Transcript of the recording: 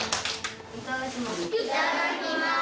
いただきます。